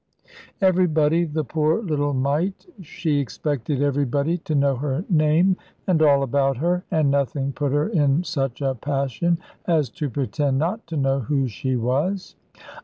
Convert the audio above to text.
Everybody, the poor little mite, she expected everybody to know her name and all about her; and nothing put her in such a passion as to pretend not to know who she was.